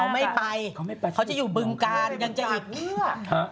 เขาไม่ไปเขาจะอยู่บึงกายังจะอีก